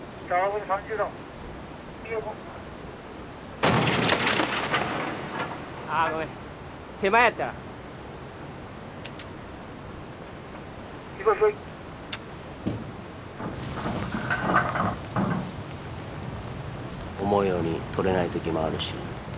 思うように獲れない時もあるし。